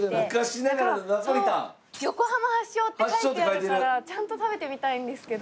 「横浜発祥」って書いてあるからちゃんと食べてみたいんですけど。